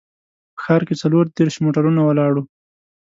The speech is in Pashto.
په ښار کې څلور دیرش موټرونه ولاړ وو.